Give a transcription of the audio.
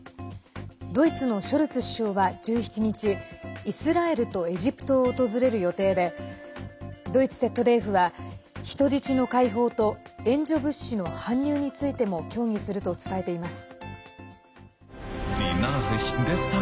ドイツのショルツ首相は１７日イスラエルとエジプトを訪れる予定でドイツＺＤＦは人質の解放と援助物資の搬入についても協議すると伝えています。